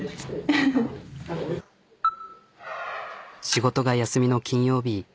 仕事が休みの金曜日。